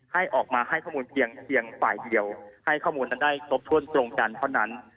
ให้ออกมาให้ข้อมูลเพียงฝ่ายเดียวให้ข้อมูลนั้นได้ครบถ้วนตรงกันเท่านั้น